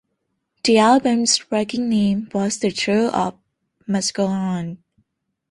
The album's working name was "The Show-Off Must Go On".